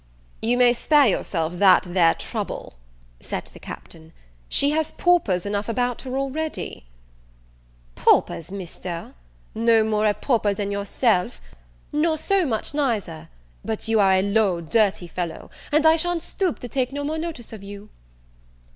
"You may spare yourself that there trouble," said the Captain, "she has paupers enough about her already." "Paupers, Mister! no more a pauper than yourself, nor so much neither; but you are a low, dirty fellow, and I shan't stoop to take no more notice of you."